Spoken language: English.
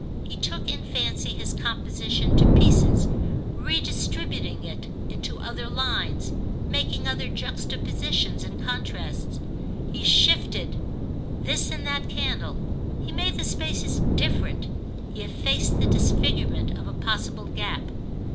He took, in fancy, his composition to pieces, redistributing it into other lines, making other juxtapositions and contrasts. He shifted this and that candle, he made the spaces different, he effaced the disfigurement of a possible gap.